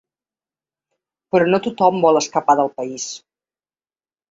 Però no tothom vol escapar del país.